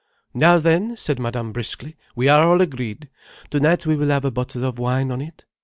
"Now then," said Madame briskly, "we are all agreed. Tonight we will have a bottle of wine on it.